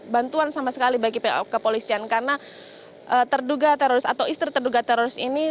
bantuan sama sekali bagi pihak kepolisian karena terduga teroris atau istri terduga teroris ini